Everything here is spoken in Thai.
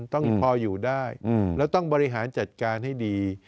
ต้องพออยู่ได้แล้วต้องบริหารจัดการให้ดี